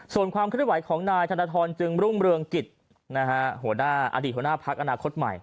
ส่วนความเคลื่อนไหวของนายธนทรจึงรุ่งเรืองกิจหัวหน้าอดีตหัวหน้าพักอนาคตใหม่